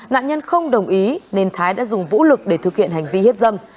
nạn nhân không đồng ý nên thái đã dùng vũ lực để thực hiện hành vi hiếp dâm